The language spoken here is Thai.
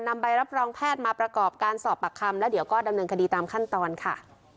ใบรับรองแพทย์มาประกอบการสอบปากคำแล้วเดี๋ยวก็ดำเนินคดีตามขั้นตอนค่ะ